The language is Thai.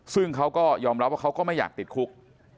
ซึ่งเขาก็ยอมรับว่าเขาก็ไม่อยากติดคุก